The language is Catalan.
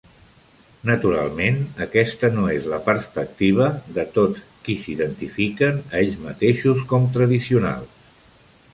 Naturalment, aquesta no és la perspectiva de tots qui s"identifiquen a ells mateixos com "tradicionals".